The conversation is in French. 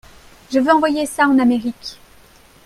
Je veux envoyer ça en Amérique.